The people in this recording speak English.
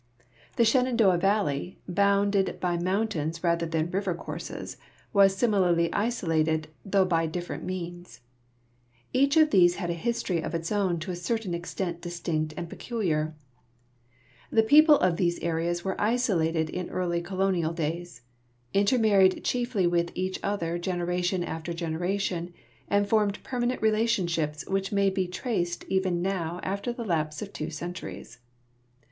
The Shenandoah valle\', I>ounded hv mountains rather than river courses, was similarly isolated, though \)y different means. Each of these had a history of its own, to a certain extent distinct and ALBEMARLE LN REVOLUTIONARY DAYS 272 peculiar. The people of these areas were isolated in early colo nial days ; intermarried chiefly with each other generation after generation, and formed permanent relationships which may he traced even now after the lapse of two centuries.